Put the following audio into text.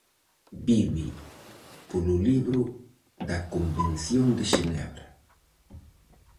Vive polo libro da Convención de Xenebra.